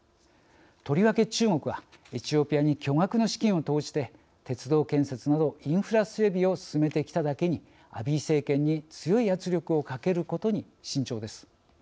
とりわけ中国はエチオピアに巨額な資金を投じて鉄道建設などインフラ整備を進めてきただけにアビー政権に強い圧力をかけることに慎重です。